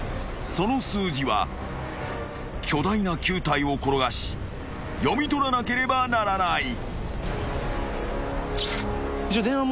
［その数字は巨大な球体を転がし読み取らなければならない］